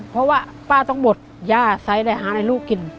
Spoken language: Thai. เพราะว่าป้าต้องหมดยาใสในหาลูกกิน